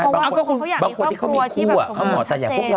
บางคนเขาอยากมีครอบครัวที่แบบสะเซน